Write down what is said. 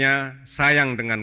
dalam perjalanan ke masjid